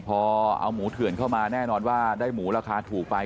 พอเอาหมูเถื่อนเข้ามาแน่นอนว่าได้หมูราคาถูกไป